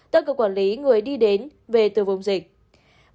tất cả quản lý người đi đến về từ vùng dịch